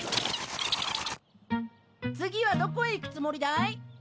次はどこへ行くつもりだい？